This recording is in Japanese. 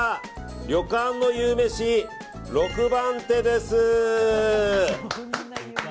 旅館の夕飯６番手です。